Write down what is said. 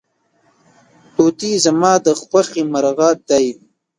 توتي زما د خوښې مرغه دی.